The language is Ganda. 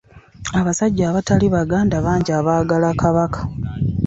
Abasajja abatali baganda bangi abaagala Kabaka.